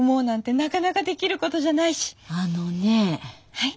はい？